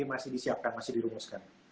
masih disiapkan masih dirumuskan